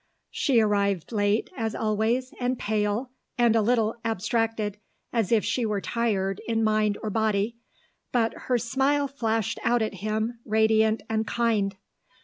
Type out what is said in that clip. She arrived late, as always, and pale, and a little abstracted, as if she were tired in mind or body, but her smile flashed out at him, radiant and kind.